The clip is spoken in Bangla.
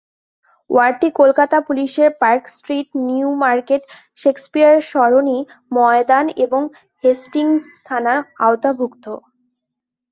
ওয়ার্ডটি কলকাতা পুলিশের Park Street, New Market, Shakespeare সরণি, ময়দান এবং হেস্টিংস থানার আওতাভুক্ত।